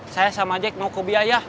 saya sama jack mau ke biaya